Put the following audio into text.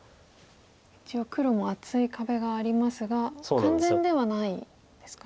一応黒も厚い壁がありますが完全ではないですか？